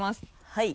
はい。